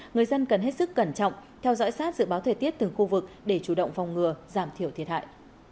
người dân cần hết sức cẩn trọng theo dõi sát dự báo thời tiết từng khu vực để chủ động phòng ngừa giảm thiểu thiệt hại